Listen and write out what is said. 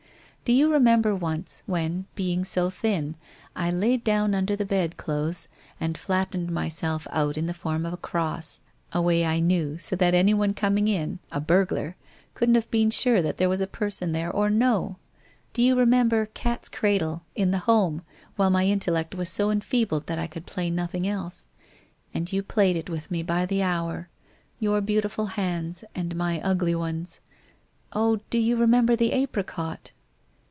Do you remember once, when, being so thin, I laid down under the bed clothes, and flattened myself out in the form of a cross, a way I knew, so that anyone coming in — a burglar — couldn't have been sure that there was a person there or no ? Do you remem ber Cat's Cradle in the Home, while my intellect was so enfeebled that I could play nothing else ? And you played it with me by the hour — your beautiful hands, and my ugly ones ! Oh, and do you remember the apricot